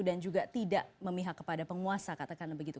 juga tidak memihak kepada penguasa katakanlah begitu